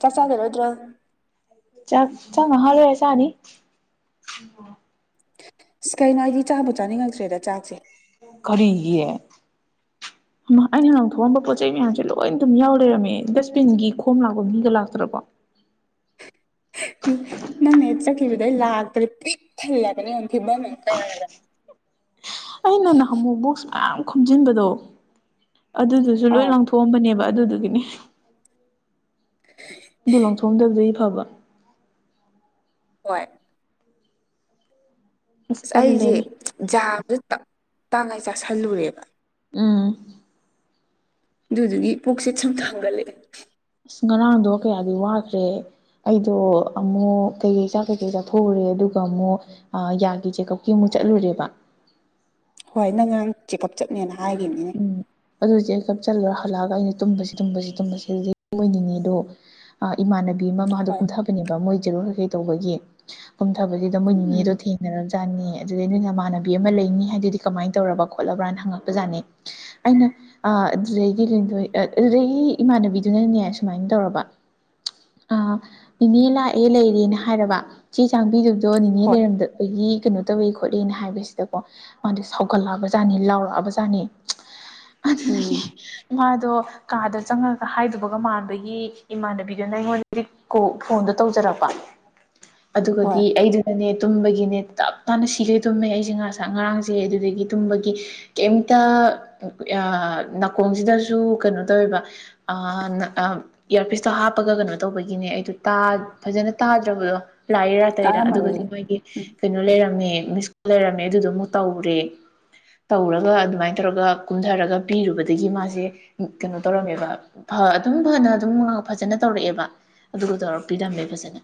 ꯆꯥꯛ ꯆꯥꯛ [unintelligible] ꯆꯥꯛ ꯉꯥꯏꯍꯥꯛ ꯂꯩꯔꯒꯥ ꯆꯥꯅꯤ ꯑꯁ ꯀꯩꯅꯣ ꯍꯥꯏꯗꯤ ꯆꯥꯕꯨ ꯆꯥꯅꯤꯡꯉꯛꯇ꯭ꯔꯦꯗ ꯆꯥꯛꯁꯦ ꯀꯔꯤꯒꯤ ꯑꯩꯅ ꯂꯪꯊꯣꯛꯑꯝꯕ ꯄꯣꯠ ꯆꯩ ꯃꯌꯥꯝꯁꯦ ꯂꯣꯏ ꯑꯗꯨꯝ ꯌꯥꯎ ꯂꯩꯔꯝꯃꯦ ꯗꯁꯕꯤꯟꯒꯤ ꯈꯣꯝ ꯂꯥꯛꯄ ꯃꯤꯒ ꯂꯥꯛꯇ꯭ꯔꯕꯣ ꯎꯝ ꯅꯪꯅ ꯆꯠꯈꯤꯕꯗꯩ ꯂꯥꯛꯇ꯭ꯔꯗꯤ ꯄꯤꯛ ꯊꯜꯂꯒꯅꯦꯉꯣꯟ ꯐꯤꯕꯝ ꯀꯔ ꯑꯣ ꯑꯩꯅ ꯅꯍꯃꯨ ꯕꯣꯛꯁ ꯃꯌꯥꯝ ꯈꯣꯝꯖꯤꯟꯕꯗꯣ ꯑꯗꯨꯗꯨꯁꯨ ꯂꯣꯏ ꯑꯥ ꯂꯪꯊꯣꯛꯑꯝꯕꯅꯦꯕ ꯑꯗꯨꯗꯨꯒꯤꯅꯤ ꯑꯗꯨꯂꯣꯡꯊꯣꯡꯗꯗꯤ ꯐꯕ ꯍꯣꯏ ꯑꯁ ꯑꯩꯁꯦ ꯖꯥꯗ ꯇꯥꯡꯉꯥꯏ ꯆꯥꯥꯁꯜꯂꯨꯔꯦꯕ ꯎꯝ ꯑꯗꯨꯗꯨꯒꯤ ꯄꯨꯛꯁꯦ ꯁꯨꯝ ꯊꯥꯡꯒꯠꯂꯛꯦ ꯑ ꯉꯔꯥꯡꯗꯣ ꯀꯌꯥꯗꯤ ꯋꯥꯈ꯭ꯔꯦ ꯑꯩꯗꯣ ꯑꯃꯨꯛ ꯀꯩꯀꯩ ꯆꯥꯛ ꯀꯩꯀꯩ ꯆꯥꯊꯣꯛꯎꯔꯦ ꯑꯗꯨꯒ ꯑꯃꯨꯛ ꯌꯥꯒꯤ ꯆꯦꯛꯑꯞꯀꯤꯨ ꯆꯠꯂꯨꯔꯦꯕ ꯍꯣꯏ ꯅꯪ ꯉꯥꯡ ꯆꯤꯄꯞ ꯆꯠꯅꯦꯅ ꯍꯥꯏꯈꯤꯕꯅꯤꯅꯦ ꯎꯝ ꯑꯗꯨꯗꯤ ꯑꯩ ꯀꯞ ꯆꯜꯂꯨꯔ ꯍꯜꯂꯛꯑꯒ ꯑꯩꯅ ꯇꯨꯝꯕꯁꯤ ꯇꯨꯝꯕꯁꯤ ꯇꯨꯝꯕꯁꯤ ꯑꯗꯨ ꯑꯣꯏꯅꯤꯡꯉꯦ ꯑꯗꯣ ꯏꯃꯥꯟꯅꯕꯤ ꯑꯃ ꯃꯥꯗꯣ ꯍꯣꯏ ꯀꯨꯝꯊꯕꯅꯦꯕ ꯃꯣꯏ ꯖꯦꯔꯣꯏ ꯀꯩ ꯀꯩ ꯇꯧꯕꯒꯤ ꯐꯕꯁꯤꯗ ꯃꯣꯏꯅꯤꯅꯦꯗꯣ ꯊꯦꯡꯅꯔꯝꯁꯦ ꯖꯥꯠꯅꯤ ꯑꯗꯨꯗꯩ ꯅꯣꯏ ꯅꯃꯥꯟꯅꯕꯤ ꯑꯃ ꯂꯩꯅꯤ ꯍꯥꯏꯗꯨꯗꯤ ꯀꯃꯥꯏꯅ ꯇꯧꯔꯕ ꯈꯣꯠꯂꯕ꯭ꯔꯥꯅ ꯍꯪꯉꯛꯄꯖꯥꯠꯅꯤ ꯑꯩꯅ ꯑꯗꯨꯗꯩꯗꯤ ꯂꯊꯣꯏ ꯑꯗꯨꯩ ꯏꯃꯥꯟꯅꯕꯤꯗꯨꯅꯅꯦ ꯁꯨꯃꯥꯏꯅ ꯇꯧꯔꯕ ꯑ ꯅꯦ ꯂꯥꯛꯑꯦ ꯂꯩꯔꯦꯅ ꯍꯥꯏꯔꯕ ꯆꯥꯡꯕꯤꯗꯨꯕꯗꯣ ꯅꯤꯅꯦ ꯍꯣꯏ ꯂꯩꯔꯝꯗ ꯑꯩꯈꯒꯤ ꯀꯩꯅꯣ ꯇꯧꯏ ꯈꯣꯠꯂꯤꯅ ꯍꯥꯏꯕꯁꯤꯗꯀꯣ ꯃꯥꯗꯤ ꯁꯥꯎꯒꯠꯂꯛꯑꯕꯖꯥꯠꯅꯤ ꯂꯥꯎꯔꯛꯑꯕꯖꯥꯠꯅꯤ ꯎꯝ ꯑꯗꯒꯤ ꯃꯥꯗꯣ ꯀꯥꯗ ꯆꯪꯉꯒ ꯍꯥꯏꯗꯨꯕꯒ ꯃꯥꯟꯕꯒꯤ ꯏꯃꯥꯟꯅꯕꯤꯗꯨꯅ ꯑꯩꯉꯣꯟꯗ ꯐꯣꯟꯗꯣ ꯇꯧꯖꯔꯛꯄ ꯍꯣꯏ ꯑꯗꯨꯒꯗꯤ ꯑꯩꯗꯨꯅꯅꯦ ꯇꯨꯝꯕꯒꯤꯅꯦ ꯇꯞ ꯇꯥꯅ ꯁꯤꯈꯩ ꯇꯨꯝꯃꯦ ꯑꯩꯁꯦ ꯉꯥꯁ ꯉꯔꯥꯡꯁꯦ ꯑꯗꯨꯗꯒꯤ ꯇꯨꯝꯕꯒꯤ ꯀꯩꯝꯇ ꯅꯥꯀꯣꯡꯁꯤꯗꯁꯨ ꯀꯩꯅꯣ ꯇꯧꯋꯦꯕ ꯏꯌꯥꯔꯄꯤꯁꯇꯣ ꯍꯥꯞꯄꯒ ꯀꯩꯅꯣ ꯇꯧꯕꯒꯤꯅꯦ ꯑꯩꯗꯣ ꯐꯖꯅ ꯇꯥꯗ꯭ꯔꯕꯗꯣ ꯂꯥꯛꯏꯔꯥ ꯇꯇꯩꯔꯥ ꯀꯥꯔꯝꯃꯔꯣꯏ ꯑꯗꯨꯒꯗꯤ ꯃꯣꯏꯒꯤ ꯎꯝ ꯀꯩꯅꯣ ꯂꯩꯔꯝꯃꯦ ꯃꯤ ꯁ꯭ꯀꯨꯜ ꯂꯩꯔꯝꯃꯦ ꯑꯗꯨꯗ ꯑꯃꯨꯛ ꯇꯧꯔꯦ ꯇꯧꯔꯒ ꯑꯗꯨꯃꯥꯏꯅ ꯇꯧꯔꯒ ꯀꯨꯝꯊꯔꯒ ꯄꯤꯔꯨꯕꯗꯒꯤ ꯃꯥꯁꯦ ꯀꯩꯅꯣ ꯇꯧꯔꯝꯃꯦꯕ ꯑꯗꯨꯝ ꯐꯅ ꯑꯗꯨꯝ ꯐꯖꯅ ꯇꯧꯔꯛꯑꯦꯕ ꯑꯗꯨꯒ ꯇꯧꯔꯄꯤꯔꯝꯃꯦ ꯐꯖꯅ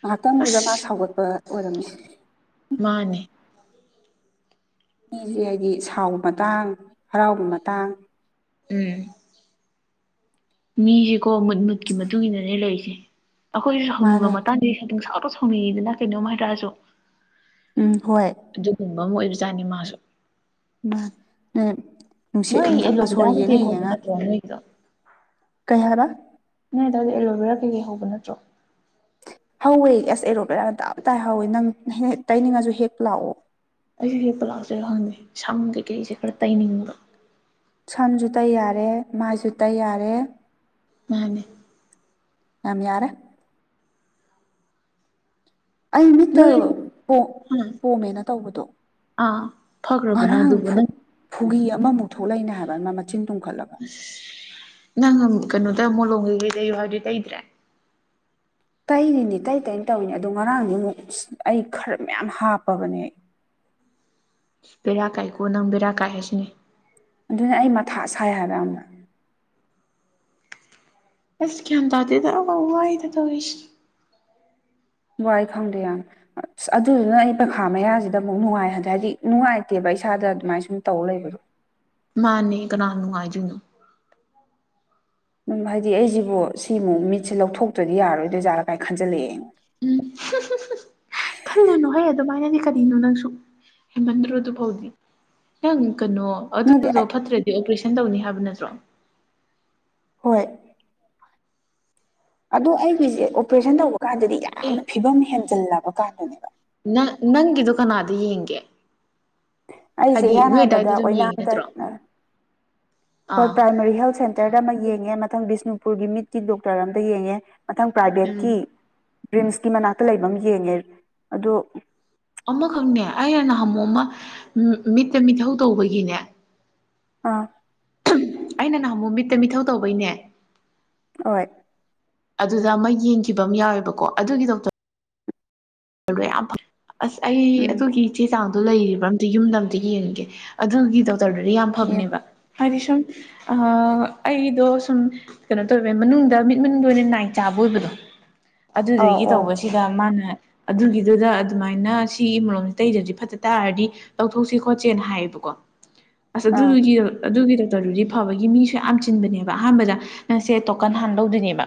ꯉꯥꯏꯍꯥꯛꯇꯪꯗꯨꯗ ꯃꯥ ꯑꯁ ꯁꯥꯎꯒꯠꯄ ꯑꯣꯏꯔꯝꯃꯤ ꯃꯥꯅꯦ ꯃꯤꯁꯦ ꯍꯥꯏꯕꯗꯤ ꯁꯥꯎꯕ ꯃꯇꯥꯡ ꯍꯔꯥꯎꯕ ꯃꯇꯥꯡ ꯎꯝ ꯃꯤꯁꯦꯀꯣ ꯃꯨꯠ ꯃꯨꯠꯀꯤ ꯃꯇꯨꯡ ꯏꯟꯅꯅꯦ ꯂꯩꯔꯤꯁꯦ ꯑꯩꯈꯣꯏꯁꯨ ꯁꯥꯎꯅꯤꯡꯕ ꯃꯥꯅꯦ ꯃꯇꯥꯡꯗꯪ ꯁꯥꯎꯗ ꯁꯥꯎꯅꯤꯡꯉꯤꯗꯅ ꯀꯩꯅꯣꯝ ꯍꯥꯏꯗ꯭ꯔꯁꯨ ꯎꯝ ꯍꯣꯏ ꯑꯗꯨꯒꯨꯝꯕ ꯑꯃ ꯑꯣꯏꯕꯖꯥꯠꯅꯤ ꯃꯥꯁꯨ ꯃꯥ ꯅ ꯅꯨꯡꯁꯤꯠ ꯅꯣꯏ ꯅꯨꯡꯁꯥ ꯑꯦꯂꯣꯕꯦꯔꯥ ꯁꯣꯔ ꯌꯦꯡꯉ ꯀꯩꯀꯩ ꯍꯧꯕ ꯌꯦꯡꯉ ꯅꯠꯇ꯭ꯔꯣ ꯅꯣꯏꯒꯤꯗꯣ ꯀꯩ ꯍꯥꯏꯔ ꯍꯥꯏ ꯇꯔꯗꯤ ꯑꯦꯂꯣꯕꯦꯔꯥ ꯀꯩꯀꯩ ꯍꯧꯕ ꯅꯠꯇ꯭ꯔꯣ ꯍꯧꯋꯦ ꯑꯁ ꯑꯦꯔꯣꯄꯔꯥꯅ ꯇꯞ ꯇꯥꯏ ꯍꯧꯋꯦ ꯅꯪ ꯇꯩꯅꯤꯡꯉꯁꯨ ꯍꯦꯛ ꯂꯥꯛꯑꯣ ꯑꯩꯁꯦ ꯍꯦꯛ ꯄꯂꯥꯛꯆ ꯍꯪꯉꯦ ꯁꯝ ꯀꯩꯀꯩꯁꯦ ꯈꯔ ꯇꯩꯅꯤꯡꯕ꯭ꯔ ꯁꯝꯁꯨ ꯇꯩ ꯌꯥꯔꯦ ꯃꯥꯏꯁꯨ ꯇꯩ ꯌꯥꯔꯦ ꯃꯥꯅꯦ ꯅꯝ ꯌꯥꯔꯦ ꯑꯩ ꯃꯤꯠꯇ ꯅꯣꯏ ꯍꯥ ꯄꯣꯝꯃꯦꯅ ꯇꯧꯕꯗꯣ ꯑꯥ ꯐꯈ꯭ꯔꯕꯅ ꯑꯗꯨꯕꯨ ꯅꯪ ꯈꯨꯒꯤ ꯑꯃꯃꯨꯛ ꯊꯣꯛꯂꯏꯩꯅ ꯍꯥꯏꯕ ꯑꯃ ꯃꯆꯤꯟ ꯇꯨꯝꯈꯠꯂꯒ ꯑꯁ ꯅꯪ ꯑꯃꯣꯛ ꯀꯩꯅꯣꯗ ꯃꯣꯂꯣꯡꯝ ꯀꯩꯀꯩ ꯇꯩꯌꯨ ꯍꯥꯏꯕꯗꯤ ꯇꯩꯗ꯭ꯔꯦ ꯇꯩꯔꯤꯅꯤ ꯇꯩ ꯇꯩꯅ ꯇꯧꯏꯅꯤ ꯑꯗꯨ ꯉꯔꯥꯡꯗꯤ ꯑꯃꯨꯛ ꯑꯁ ꯑꯩ ꯈꯔ ꯃꯌꯥꯝ ꯍꯥꯞꯄꯕꯅꯦ ꯕꯦꯔꯥ ꯀꯥꯏꯀꯣ ꯅꯪ ꯕꯦꯔꯥ ꯀꯥꯏ ꯍꯥꯏꯁꯤꯅꯦ ꯑꯗꯨꯅ ꯑꯩ ꯃꯊꯥ ꯁꯥꯏ ꯍꯥꯏꯕ ꯌꯥꯝꯅ ꯑꯁ ꯒ꯭ꯌꯥꯟ ꯇꯗꯦꯗ ꯎ ꯋꯥꯏꯗ ꯇꯧꯔꯤꯁꯤ ꯋꯥꯏ ꯈꯪꯗꯦ ꯌꯥꯝ ꯑꯁ ꯑꯗꯨꯗꯨꯅ ꯑꯩ ꯄꯩꯈꯥ ꯃꯌꯥꯁꯤꯗ ꯑꯃꯨꯛ ꯅꯨꯡꯉꯥꯏꯍꯟꯗꯦ ꯍꯥꯏꯗꯤ ꯅꯨꯡꯉꯥꯏꯇꯦꯕ ꯏꯁꯥꯗ ꯑꯗꯨꯃꯥꯏꯅ ꯁꯨꯝ ꯇꯧ ꯂꯩꯕꯗꯨ ꯃꯥꯅꯤ ꯀꯅꯥꯅ ꯅꯨꯉꯥꯏꯗꯣꯏꯅꯣ ꯑꯗꯨꯝ ꯍꯥꯏꯗꯤ ꯑꯩꯁꯤꯕꯨ ꯁꯤꯃꯨꯛ ꯃꯤꯠꯁꯦ ꯂꯧꯊꯣꯛꯇ꯭ꯔꯗꯤ ꯌꯥꯔꯣꯏꯗꯩꯖꯥꯠꯂ ꯀꯥꯏꯔ ꯈꯟꯖꯜꯂꯛꯑꯦ ꯑꯝ ꯈꯜꯂꯨꯅꯨꯍꯦ ꯑꯗꯨꯃꯥꯏꯅꯗꯤ ꯀꯔꯤꯅꯣ ꯅꯪꯁꯨ ꯍꯦꯃꯟꯗ꯭ꯔꯣꯗꯨꯐꯥꯎꯗꯤ ꯅꯪ ꯀꯩꯅꯣ ꯑꯩꯉꯣꯟꯗ ꯅꯗꯤ ꯑꯗꯨꯗꯣ ꯐꯠꯇ꯭ꯔꯗꯤ ꯑꯣꯄ꯭ꯔꯦꯁꯟ ꯇꯧꯅꯤ ꯍꯥꯏꯕ ꯅꯠꯇ꯭ꯔꯣ ꯍꯣꯏ ꯑꯗꯣ ꯑꯩꯒꯤꯁꯦ ꯑꯣꯄ꯭ꯔꯦꯁꯟ ꯇꯧꯕ ꯀꯥꯟꯗꯗꯤ ꯑꯦ ꯌꯥꯝꯅ ꯐꯤꯕꯝ ꯍꯦꯟꯖꯜꯂꯕ ꯀꯥꯟꯗꯅꯦꯕ ꯅꯪ ꯅꯪꯒꯤꯗꯨ ꯀꯅꯥꯗ ꯌꯦꯡꯒꯦ ꯑꯩꯁꯦ ꯍꯥꯏꯗꯤ ꯏꯍꯥꯟ ꯅꯣꯏ ꯍꯥꯟꯕꯗ ꯑꯗꯥꯏꯗ ꯑꯗꯨꯝ ꯌꯦꯡꯉꯤ ꯑꯣꯏꯅꯥꯗ ꯅꯠꯇ꯭ꯔꯣ ꯍꯣꯏ ꯑꯥ ꯄ꯭ꯔꯥꯏꯃꯥꯔꯤ ꯍꯦꯜꯇ ꯁꯦꯟꯇꯔꯗ ꯑꯃ ꯌꯦꯡ ꯉꯦ ꯃꯊꯪ ꯕꯤꯁꯅꯨꯄꯨꯔꯒꯤ ꯃꯤꯠꯀꯤ ꯗꯣꯛꯇꯔ ꯑꯃꯗ ꯌꯦꯡꯉꯦ ꯃꯊꯪ ꯎꯝ ꯄ꯭ꯔꯥꯏꯚꯦꯠꯀꯤ ꯔꯤ꯭ꯝꯁꯀꯤ ꯃꯅꯥꯛꯇ ꯂꯩꯕ ꯑꯃ ꯌꯦꯡꯉꯦ ꯑꯗꯨ ꯑꯃꯈꯛꯅꯦ ꯑꯩꯅ ꯅꯍꯥꯟꯃꯣ ꯑꯃ ꯃꯤꯠꯇ ꯃꯤꯊꯧ ꯇꯧꯕꯒꯤꯅꯦ ꯑꯥ ꯑꯩꯅ ꯅꯍ ꯑꯃꯨꯛ ꯃꯤꯠꯇ ꯃꯤꯊꯧ ꯇꯧꯕꯩꯅꯦ ꯍꯣꯏꯠ ꯑꯗꯨꯗ ꯑꯃ ꯌꯦꯡꯈꯤꯕ ꯑꯃ ꯌꯥꯎꯋꯦꯕꯀꯣ ꯑꯗꯨꯒꯤꯗꯣꯛꯇ ꯌꯥꯝ ꯑꯁ ꯑꯩ ꯎꯝ ꯑꯗꯨꯒꯤ ꯆꯦ ꯆꯥꯡ ꯑꯗꯨ ꯂꯩꯔꯤꯕ ꯑꯝꯇ ꯌꯨꯝꯗ ꯑꯝꯇ ꯌꯦꯡꯒꯦ ꯑꯗꯨꯒꯤ ꯗꯣꯛꯇꯔꯗꯨꯗꯤ ꯌꯥꯝ ꯌꯦꯡ ꯐꯕꯅꯦꯕ ꯍꯥꯏꯗꯤ ꯁꯨꯝ ꯑ ꯑꯩꯒꯤꯗꯣ ꯁꯨꯝ ꯀꯩꯅꯣ ꯇꯧꯋꯦꯕ ꯃꯅꯨꯡꯗ ꯃꯤꯠꯃꯅꯨꯡꯗ ꯑꯣꯏꯅ ꯅꯥꯏ ꯆꯥꯕ ꯑꯕꯣꯏꯕꯗꯣ ꯑꯧ ꯑꯗꯨꯗꯒꯤ ꯑꯧ ꯇꯧꯕꯁꯤꯗ ꯃꯥꯅ ꯑꯗꯨꯒꯤꯗꯨꯗ ꯑꯗꯨꯃꯥꯏꯅ ꯁꯤ ꯃꯔꯣꯝꯁꯤ ꯇꯩꯗꯗꯤ ꯐꯠꯇ ꯇꯥꯔꯗꯤ ꯂꯧꯊꯣꯛꯁꯦ ꯈꯣꯠꯁꯦꯅ ꯍꯥꯏꯌꯦꯕꯀꯣ ꯑꯁ ꯑꯥ ꯑꯗꯨꯗꯨꯒꯤ ꯑꯗꯨꯒꯤꯗ ꯇꯗꯤ ꯐꯕꯒꯤ ꯃꯤꯁꯨ ꯌꯥꯝ ꯆꯤꯟꯕꯅꯦꯕ ꯑꯍꯥꯟꯕꯗ ꯅꯪꯁꯦ ꯇꯣꯀꯟ ꯍꯥꯟ ꯂꯧꯧꯗꯣꯏꯅꯦꯕ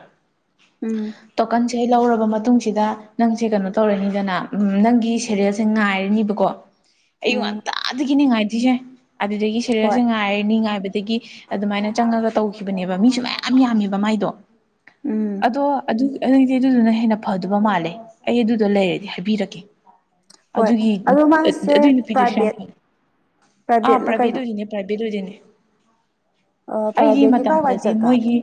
ꯑꯝ ꯏꯁꯩ ꯂꯧꯔꯕ ꯃꯇꯨꯡꯁꯤꯗ ꯅꯪꯁꯦ ꯀꯩꯅꯣ ꯇꯧꯔꯅꯤꯗꯅ ꯅꯪꯒꯤ ꯁꯦꯔꯦꯜꯁꯦ ꯉꯥꯏꯔꯅꯤꯕꯀꯣ ꯑꯩꯌꯨꯛ ꯎꯝ ꯉꯟꯇꯥꯗꯒꯤꯅꯤ ꯉꯥꯏꯗꯣꯏꯁꯦ ꯑꯗꯨꯗꯒꯤ ꯁꯦꯔꯜꯁꯦ ꯍꯣꯏ ꯉꯥꯏꯔꯅꯤ ꯉꯥꯏꯕꯗ ꯑꯗꯒꯤ ꯑꯗꯨꯃꯥꯏꯅ ꯆꯪꯉꯒ ꯇꯧꯈꯤꯕꯅꯦꯕ ꯃꯤꯁꯨ ꯃꯌꯥꯝ ꯌꯥꯝꯃꯦꯕ ꯃꯥꯏꯗꯣ ꯎꯝ ꯑꯗꯣ ꯑꯗꯨ ꯑꯗꯨꯗꯤ ꯑꯗꯨꯗꯨꯅ ꯍꯦꯟꯅ ꯐꯗꯧꯕ ꯃꯥꯜꯂꯦ ꯑꯩ ꯑꯗꯨ ꯑꯗꯣ ꯂꯩꯔꯗꯤ ꯍꯥꯏꯕꯤꯔꯛꯀꯦ ꯍꯣꯏ ꯑꯗꯨꯒꯤ ꯑꯗꯣ ꯑ ꯃꯥꯁꯦ ꯑꯗꯨꯏ ꯅꯨꯄꯤꯗꯨꯁꯨ ꯌꯥꯝ ꯄ꯭ꯔꯥꯏꯚꯦꯠ ꯐꯕ ꯑꯥ ꯄ꯭ꯔꯥꯏꯚꯦꯠꯂ ꯄ꯭ꯔꯥꯏꯚꯦꯠ ꯀꯩꯅꯣ ꯑꯣꯏꯔꯁꯨꯅ° ꯄ꯭ꯔꯥꯏ ꯑꯥ [unintelligible] ꯑꯩꯒꯤ ꯄ꯭ꯔꯥꯏꯚꯦꯠꯀꯤ ꯀꯥꯏꯋꯥꯏ ꯃꯇꯝꯗꯗꯤ ꯖꯒꯥꯗ ꯃꯣꯏꯒꯤ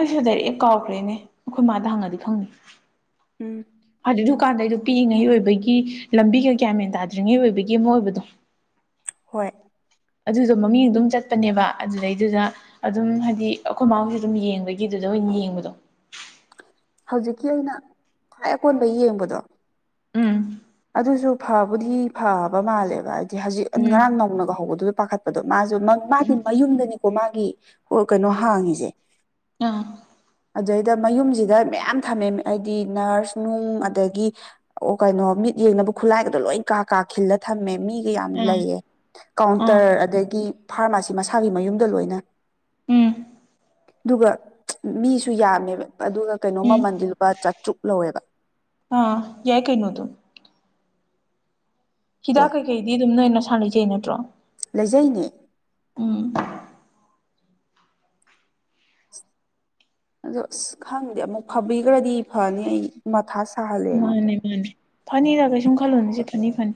ꯑꯩꯁꯨ ꯗꯥꯏꯔꯦꯛ ꯀꯥꯎꯈ꯭ꯔꯦꯅꯦ ꯑꯩꯈꯣꯏ ꯃꯥꯗ ꯍꯪꯉꯗꯤ ꯈꯪꯅꯤ ꯑꯝ ꯀꯥꯟꯗꯩ [unintelligible] ꯑꯣꯏꯕꯒꯤ ꯂꯝꯕꯤꯒ ꯒꯔꯥꯟ ꯃꯦꯟ ꯇꯥꯗ꯭ꯔꯤꯉꯩ ꯑꯣꯏꯕꯒꯤ ꯑꯃ ꯑꯣꯏꯕꯗꯣ ꯍꯣꯏꯠ ꯫ ꯑꯗꯨꯗꯣ ꯃꯃꯤꯡ ꯑꯗꯨꯝ ꯆꯠꯄꯅꯦꯕ ꯑꯗꯨꯗꯩꯗꯨꯗ ꯑꯗꯨꯝ ꯍꯥꯏꯗꯤ ꯑꯩꯈꯣꯏ ꯃꯥꯥꯍꯣꯏ ꯑꯗꯨꯝ ꯌꯦꯡꯕꯒꯤꯗꯨꯗ [unintelligible] ꯌꯦꯡꯕꯗꯣ ꯍꯧꯖꯤꯛꯀꯤ ꯑꯣꯏꯅ ꯈ꯭ꯋꯥꯏ ꯑꯀꯣꯟꯕꯩ ꯌꯦꯡꯕꯗꯣ ꯑꯝꯝ ꯑꯗꯨꯁꯨ ꯐꯥꯕꯨꯗꯤ ꯐꯕ ꯃꯥꯜꯂꯦꯕ ꯍꯥꯏꯗꯤ ꯍꯧꯖꯤꯛ ꯎꯝ ꯉꯔꯥꯡ ꯅꯧꯅꯒ ꯍꯧꯕꯗꯨ ꯄꯥꯈꯠꯄꯗꯣ ꯃꯥꯁ [unintelligible] ꯃꯥꯒꯤ ꯃꯌꯨꯝꯗꯅꯤꯀꯣ ꯃꯥꯒꯤ ꯍꯣ ꯀꯩꯅꯣ ꯍꯥꯡꯉꯤꯁꯦ ꯑꯥ ꯑꯗꯨꯗꯩꯗ ꯃꯌꯨꯝꯁꯤꯗ ꯃꯌꯥꯝ ꯊꯝꯃꯦ ꯍꯥꯏꯗꯤ ꯅꯔꯁ ꯅꯨꯡ ꯑꯗꯒꯤ ꯑꯣ ꯀꯩꯅꯣ ꯃꯤꯠ ꯌꯦꯡꯅꯕ ꯈꯨꯠꯂꯥꯏꯒꯗꯣ ꯂꯣꯏ ꯀꯥ ꯀꯥ ꯈꯈꯤꯜꯂ ꯊꯝꯃꯦ ꯃꯤ ꯌꯥꯝ ꯑꯥ ꯂꯩꯌꯦ ꯑꯥ ꯀꯥꯎꯟꯇꯔ ꯑꯗꯒꯤ ꯐꯥꯔꯃꯥꯁꯤ ꯃꯁꯥꯒꯤ ꯃꯌꯨꯝꯗ ꯂꯣꯏꯅ ꯎꯝ ꯑꯗꯨꯒ ꯃꯤꯁꯨ ꯌꯥꯝꯃꯦꯕ ꯑꯗꯨꯒ ꯀꯩꯅꯣ ꯎꯝ ꯃꯃꯜꯗꯤ ꯂꯨꯄꯥ ꯆꯥꯇ꯭ꯔꯨꯛ ꯂꯧꯋꯦꯕ ꯑꯥ ꯌꯥꯏ ꯀꯩꯅꯣ ꯑꯗꯨꯝ ꯍꯣꯏ ꯍꯤꯗꯥꯛ ꯀꯩꯀꯩꯗꯤ ꯑꯗꯨꯝ ꯅꯣꯏꯅ ꯁꯥꯟꯅꯩꯖꯩ ꯅꯠꯇ꯭ꯔꯣ ꯂꯩꯖꯩꯅꯦ ꯎꯝ ꯑꯗ ꯑꯁ ꯈꯪꯗꯦ ꯑꯃꯨꯛ ꯐꯕꯤꯈ꯭ꯔꯗꯤ ꯐꯅꯤ ꯑꯩ ꯃꯊꯥ ꯁꯥꯍꯜꯂꯦ ꯑꯩꯉꯣꯟꯗ ꯃꯥꯅꯦ ꯃꯥꯅꯦ ꯐꯅꯤꯗ ꯀꯩꯁꯨꯝ ꯈꯜꯂꯣꯅꯤ ꯁꯤ ꯐꯅꯤ ꯐꯅꯤ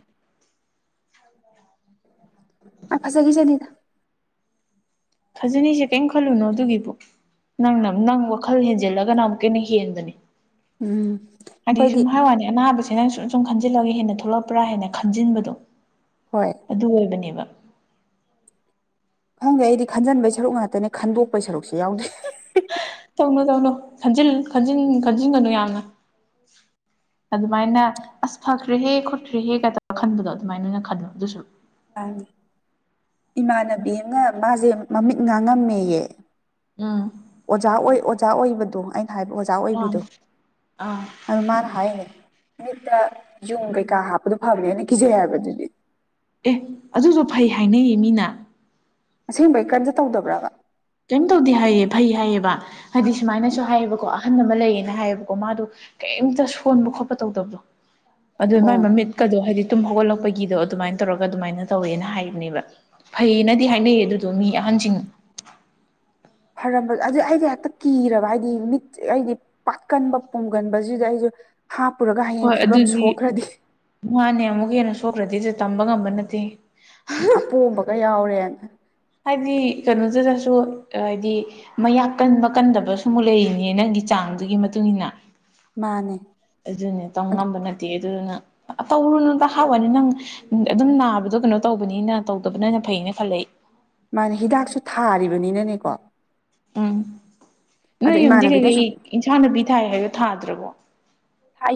ꯑ ꯐ ꯆꯒꯤ ꯆꯅꯤꯗ ꯈꯥꯖꯅꯤꯁꯦ ꯀꯔꯤꯝ ꯈꯜꯂꯨꯅꯣ ꯑꯗꯨꯒꯤꯕꯨ ꯅꯪꯅ ꯅꯪ ꯋꯥꯈꯜ ꯍꯦꯟꯖꯤꯜꯂꯒꯅ ꯑꯃꯨꯛꯀꯟꯅ ꯍꯦꯟꯕꯅꯤ ꯎꯝ ꯍꯥꯏꯗꯤ ꯑꯩꯈꯣꯏꯗꯤ ꯁꯨꯝ ꯍꯥꯏ ꯋꯥꯅꯤ ꯑꯅꯥꯕꯁꯤ ꯍ ꯅꯪ ꯁꯨꯝꯁꯨꯝ ꯈꯟꯖꯤꯜꯂꯒꯦ ꯍꯦꯟꯅ ꯊꯣꯛꯂꯛꯄ꯭ꯔꯥ ꯍꯦꯟꯅ ꯈꯟꯖꯤꯟꯕꯗꯣ ꯍꯣꯏ ꯑꯗꯨ ꯑꯣꯏꯕꯅꯦꯕ ꯈꯪꯗꯦ ꯑꯩꯗꯤ ꯈꯟꯖꯟꯕꯩ ꯁꯔꯨꯛ ꯉꯥꯛꯇꯅꯦ ꯈꯟꯗꯣꯛꯄꯩ ꯁꯔꯨꯛꯁꯦ ꯌꯥꯎꯗꯦ ꯇꯧꯅꯣ ꯇꯧꯅꯣ ꯈꯟ ꯈꯟ ꯈꯟꯖꯤꯟꯒꯅꯨ ꯌꯥꯝꯅ [unintelligible] ꯑꯗꯨꯃꯥꯏꯅ ꯑꯁ ꯐꯈ꯭ꯔꯦꯍꯦ ꯈꯣꯠꯈ꯭ꯔꯦꯍꯦ ꯀ ꯇꯧꯔ ꯈꯟꯕꯗꯣ ꯑꯗꯨꯃꯥꯏꯅ ꯑꯣꯏꯅ ꯈꯜꯂꯣ ꯑꯗꯨꯁꯨ ꯪꯉ ꯏꯃꯥꯟꯅꯕꯤ ꯑꯃꯅ ꯃꯥꯁꯦ ꯃꯃꯤꯠ ꯉꯥꯡꯉꯝꯃꯦꯌꯦ ꯎꯝ ꯑꯣꯖꯥ ꯑꯣꯏ ꯑꯣꯖꯥ ꯑꯣꯏꯕꯗꯨ ꯍꯥꯏꯕ ꯑꯣꯖꯥ ꯑꯥ ꯑꯣꯏꯕꯤꯗꯣ ꯑꯥ ꯑꯗꯨ ꯃꯥꯅ ꯍꯥꯏꯅꯦ ꯃꯤꯠꯇ ꯌꯨꯝ ꯀꯩꯀꯥ ꯍꯥꯞꯄꯗꯨꯣ ꯐꯕꯅꯦ ꯑꯅ ꯤꯖꯩ ꯍꯥꯏꯕꯗꯨꯗꯤ ꯑꯦ ꯑꯗꯨꯁꯨ ꯐꯩ ꯍꯥꯏꯅꯩꯌꯦ ꯃꯤꯅ ꯑꯁꯦꯡꯕꯩ ꯀꯟꯗ ꯇꯧꯗꯕ꯭ꯔꯥꯕ ꯀꯩꯝ ꯇꯧꯗꯦ ꯍꯥꯏꯌꯦ ꯐꯩ ꯍꯥꯏꯌꯦꯕ ꯍꯥꯏꯗꯤ ꯁꯨꯃꯥꯏꯅꯁꯨ ꯍꯥꯏꯌꯦꯕꯀꯣ ꯑꯍꯟ ꯑꯃ ꯂꯩꯌꯦꯅ ꯍꯥꯏꯌꯦꯕꯀꯣ ꯃꯥꯗꯣ ꯀꯔꯤꯝꯇ ꯁꯣꯟꯕ ꯈꯣꯠꯄ ꯇꯧꯗꯕꯗꯣ ꯑꯗꯨ ꯃꯥꯏ ꯑꯣ ꯃꯃꯤꯠꯀꯗꯣ ꯍꯥꯏꯗꯤ ꯑꯗꯨꯨꯝ ꯍꯧꯒꯠꯂꯛꯄꯒꯤꯗꯣ ꯑꯗꯨꯃꯥꯏꯅ ꯇꯧꯔꯒ ꯑꯗꯨꯃꯥꯏꯅ ꯇꯧꯋꯦꯅ ꯍꯥꯏꯕꯅꯦꯕ ꯐꯩꯌꯦꯅꯗꯤ ꯍꯥꯏꯅꯩꯌꯦ ꯑꯗꯨꯗꯣ ꯃꯤ ꯑꯍꯟ ꯀꯥꯡꯖꯤꯡ ꯐꯔꯝꯕ ꯑꯗꯨ ꯑꯩꯁꯨ ꯍꯦꯛꯇ ꯀꯤꯔꯕ ꯍꯥꯏꯗꯤ ꯃꯤꯠꯁ ꯑꯩꯗꯤ ꯄꯥꯛꯠꯀꯟꯕ ꯄꯣꯝꯒꯟꯕꯁꯤꯗ ꯑꯩꯁꯨ ꯍꯥꯞꯄꯨꯔꯒ ꯍꯌꯦꯡ ꯍꯣꯏ ꯐꯤꯕꯝ ꯑꯗꯨꯗꯤ ꯁꯣꯛꯈ꯭ꯔꯗꯤ ꯃꯥꯥꯟꯅꯦ ꯑꯃꯨꯛ ꯍꯦꯟꯅ ꯁꯣꯛꯈ꯭ꯔꯗꯤꯗꯤ ꯇꯝꯕ ꯉꯝꯕ ꯅꯠꯇꯦ ꯎꯝ ꯑꯄꯣꯝꯕꯒ ꯌꯥꯎꯔꯦꯅ ꯍꯥꯏꯗꯤ ꯀꯩꯅꯣꯗꯨꯗꯁꯨ ꯍꯥꯏꯗꯤ ꯃꯌꯥꯛ ꯀꯟꯕ ꯀꯟꯗꯕ ꯁ ꯑꯃꯨꯛ ꯂꯩꯔꯤꯅꯦ ꯅꯪ ꯒꯤ ꯆꯥꯡꯗꯨꯒꯤ ꯃꯇꯨꯡ ꯏ ꯃꯇꯨꯡꯏꯟꯅ ꯃꯥꯅꯦ ꯑꯗꯨꯅꯦ ꯇꯧ ꯉꯝꯕ ꯅꯠꯇꯦ ꯑꯗꯨꯅ ꯇꯧꯔꯨꯅꯇ ꯍꯥꯎꯋꯥꯅꯤ ꯅꯪ ꯑꯗꯨꯝ ꯅꯥꯕꯗꯣ ꯀꯩꯅꯣ ꯇꯧꯕꯅꯤꯅ ꯇꯧꯗꯕꯅꯅ ꯐꯩ ꯑꯅ ꯈꯦ ꯃꯥꯅꯦ ꯍꯤꯗꯥꯛꯁꯨ ꯊꯥꯔꯤꯕꯅꯤꯅꯅꯦꯀꯣ ꯎꯝ ꯑꯗꯣ ꯅꯣꯏ ꯌꯨꯝꯗꯤ ꯏꯃꯥꯟꯅꯕꯤꯅ ꯁꯨꯝ ꯀꯩꯀꯩ ꯏꯟꯁꯥꯡ ꯅꯨꯄꯤ ꯊꯥꯏ ꯍꯥꯏꯗꯣ ꯊꯥꯗ꯭ꯔꯕꯣ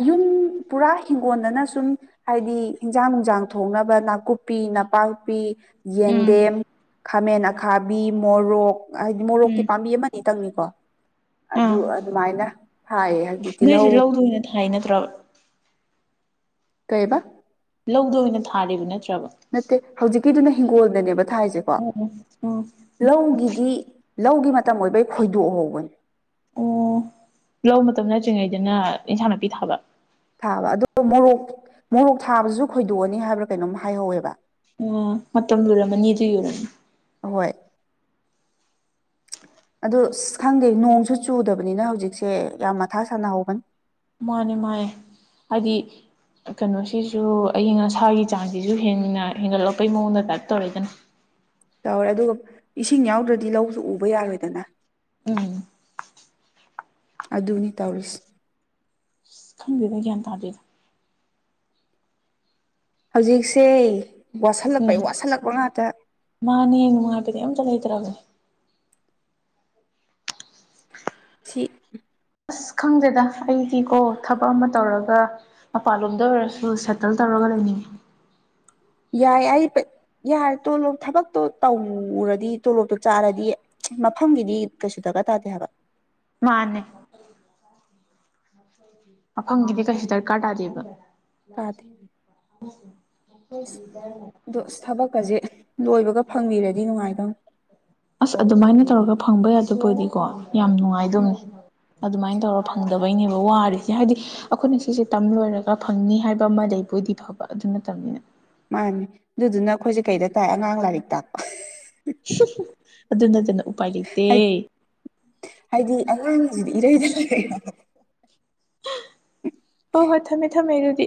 ꯌꯨꯝ ꯄꯨꯔꯥ ꯍꯤꯡꯒꯣꯟꯗꯅ ꯁꯨꯝ ꯍꯥꯏꯗꯤ ꯍꯟꯖꯥꯡ ꯅꯨꯡꯁꯥꯡ ꯊꯣꯡꯅꯕ ꯅꯥꯀꯨꯞꯄꯤ ꯅꯄꯥꯛꯄꯤ ꯎꯝ ꯌꯦꯟꯗꯦꯝ ꯈꯥꯃꯦꯟ ꯑꯈꯥꯕꯤ ꯃꯣꯔꯣꯛ ꯍꯥꯏꯗꯤ ꯃꯣꯔꯣꯛꯇꯤ ꯎꯝ ꯄꯥꯝꯕꯤ ꯑꯇꯪꯅꯤ ꯑꯗꯨ ꯑꯥ ꯑꯗꯨꯃꯥꯏꯅ ꯊꯥꯏꯌꯦ ꯍꯧꯖꯤꯛ ꯇꯤꯜꯍꯧ ꯍꯥꯏꯅꯠꯇ꯭ꯔꯕ ꯀꯩꯕ ꯊꯥꯔꯔꯤꯕꯅ ꯅꯠꯇꯦ ꯍꯧꯖꯤꯛꯀꯤꯗꯨꯅ ꯍꯤꯡꯒꯣꯜꯗꯅꯦꯕ ꯊꯥꯏꯁꯦꯀꯣ ꯑꯣ ꯑꯣ ꯂꯧꯒꯤꯗꯤ ꯂꯧꯒꯤ ꯃꯇꯝ ꯑꯣꯏꯕ ꯑꯩ ꯈꯣꯏꯗꯣꯛ ꯍꯧꯕꯅꯤ ꯑꯣ ꯂꯧ ꯃꯇꯝ ꯅꯠꯇ꯭ꯔꯤꯉꯩꯗꯅ ꯏꯟꯁꯥꯡ ꯅꯥꯄꯤ ꯊꯥꯕ ꯊꯥꯕ ꯑ ꯃꯣꯔꯣꯛ ꯃꯣꯔꯣꯛ ꯊꯥꯕꯁꯨ ꯈꯣꯏꯗꯣꯛꯑꯅꯤ ꯍꯥꯏꯕ꯭ꯔꯥ ꯀꯩꯅꯣꯝ ꯍꯥꯏꯍꯧꯋꯦꯕ ꯑ ꯃꯇꯝ ꯂꯨꯔꯝꯃꯅꯤ ꯑꯗꯨ ꯌꯨꯔꯝꯅꯤ ꯍꯣꯏ ꯑꯗ ꯑ ꯈꯪꯗꯦ ꯅꯣꯡꯁꯨ ꯆꯨꯗꯕꯅꯤꯅ ꯍꯧꯖꯤꯛꯁꯦ ꯌꯥꯝ ꯃꯊꯥ ꯁꯅꯍꯧꯕꯅꯤ ꯃꯥꯅꯦ ꯃꯥꯅꯦ ꯍꯥꯏꯗꯤ ꯀꯩꯅꯣꯁꯤꯁꯨ ꯑꯌꯤꯡ ꯑꯁꯥꯒꯤ ꯆꯥꯡꯁꯤꯁꯨ ꯍꯦꯟꯅ ꯍꯦꯟꯒꯠꯂꯛꯄꯩ ꯃꯑꯣꯡꯗ ꯇꯥꯏꯞ ꯇꯧꯔꯛꯏꯗꯅ [unintelligible] ꯇꯧꯔꯦ ꯑꯗꯨꯒ ꯏꯁꯤꯡ ꯌꯥꯎꯗ꯭ꯔꯗꯤ ꯂꯧꯁꯨ ꯎꯕ ꯌꯥꯔꯣꯏꯗꯅ ꯎꯝ ꯑꯗꯨꯅꯤ ꯇꯧꯔꯤꯁ ꯑ ꯈꯪꯕꯤꯔ ꯒ꯭ꯌꯥꯟ ꯇꯥꯕꯤꯔ ꯍꯧꯖꯤꯛꯁꯦ ꯋꯥꯁꯤꯜꯂꯛꯄꯩ ꯎꯝ ꯋꯥꯠꯁꯤꯜꯂꯛꯄ ꯉꯥꯛꯇ ꯃꯥꯅꯦ ꯅꯨꯡꯉꯥꯏꯕꯗꯤ ꯑꯝꯇ ꯂꯩꯇ꯭ꯔꯕꯅꯦ ꯁꯤ ꯑꯁ ꯈꯪꯗꯦꯗ ꯑꯩꯗꯤ ꯀꯣ ꯊꯕꯛ ꯑꯃ ꯇꯧꯔꯒ ꯃꯄꯥꯟꯂꯣꯝꯗ ꯑꯣꯏꯔꯁꯨ ꯁꯦꯇꯜ ꯇꯧꯔꯒ ꯍꯅꯤ ꯌꯥꯏ ꯑꯩ ꯌꯥꯔꯦ ꯇꯣꯂꯣꯞ ꯊꯕꯛꯇꯣ ꯇꯧꯔꯨꯔꯗꯤ ꯇꯣꯂꯣꯞꯇꯣ ꯆꯥꯔꯗꯤ ꯃꯐꯝꯒꯤꯗꯤ ꯀꯩꯁꯨ ꯗꯔꯀꯔ ꯇꯥꯗꯦ ꯍꯥꯏꯕ ꯃꯥꯅꯦ ꯃꯐꯝꯒꯤꯗꯤ ꯀꯩꯁꯨ ꯗꯔꯀꯥꯔ ꯇꯥꯗꯦꯕ ꯑ ꯑꯗꯣ ꯊꯕꯛꯀꯁꯦ ꯂꯣꯏꯕꯒ ꯐꯪꯕꯤꯔꯗꯤ ꯅꯨꯡꯉꯥꯏꯇꯧ ꯑꯁ ꯑꯗꯨꯃꯥꯏꯅ ꯇꯧꯔꯒ ꯐꯪꯕ ꯌꯥꯗꯕꯨ ꯑꯣꯏꯗꯤꯀꯣ ꯌꯥꯝ ꯅꯨꯡꯉꯥꯏꯗꯕꯅꯤ ꯑꯗꯨꯃꯥꯏꯅ ꯇꯧꯔ ꯐꯪꯗꯕꯩꯅꯦꯕ ꯋꯥꯔꯁꯦ ꯍꯥꯏꯗꯤ ꯑꯩꯈꯣꯏꯅ ꯁꯤꯁꯦ ꯇꯝ ꯂꯣꯏꯔꯒ ꯐꯪꯅꯤ ꯍꯥꯏꯕ ꯑꯃ ꯂꯩꯕꯨꯣꯏꯗꯤ ꯐꯕ ꯑꯗꯨ ꯅꯠꯇꯕꯅꯤꯅ ꯃꯥꯅꯦ ꯑꯗꯨꯗꯨꯅ ꯑꯩꯈꯣꯏꯁꯦ ꯀꯩꯗ ꯇꯥꯏ ꯑꯉꯥꯡ ꯂꯥꯏꯔꯤꯛ ꯇꯥꯛꯄ ꯑꯗꯨꯅ ꯑꯗꯨꯅ ꯍꯥꯏꯗꯤ ꯍꯥꯏꯗꯤ ꯑꯉꯥꯡꯁꯤꯗꯤ ꯏꯔꯩꯗ ꯍ ꯍꯣꯏ ꯊꯝꯃꯦ ꯊꯝꯃꯦ ꯑꯗꯨꯗꯤ